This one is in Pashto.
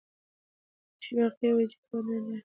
چې واقعي وجود نه لري.